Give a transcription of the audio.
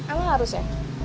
emang harus ya